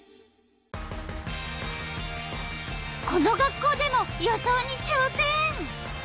この学校でも予想にちょうせん。